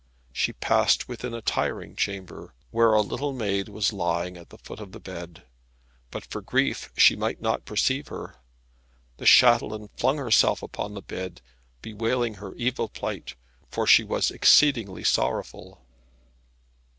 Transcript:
She passed within a tiring chamber, where a little maiden was lying at the foot of the bed; but for grief she might not perceive her. The chatelaine flung herself upon the bed, bewailing her evil plight, for she was exceedingly sorrowful.